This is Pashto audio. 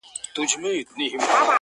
ویل بار د ژوندانه مي کړه ملا ماته،